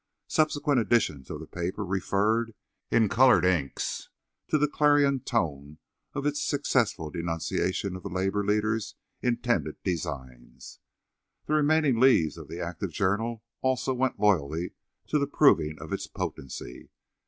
Subsequent editions of the paper referred, in coloured inks, to the clarion tone of its successful denunciation of the labour leader's intended designs. The remaining leaves of the active journal also went loyally to the proving of its potency.